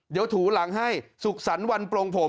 เดี๋ยวถูหลังให้สุขสรรค์วันปลงผม